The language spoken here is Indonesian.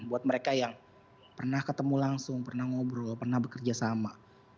buat mereka yang pernah ketemu langsung pernah ngobrol pernah bekerja sama